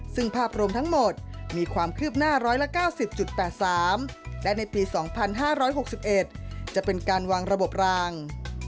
ซึ่งภาพรวมทั้งหมดมีความคืบหน้า๑๙๐๘๓และในปี๒๕๖๑จะเป็นการวางระบบราง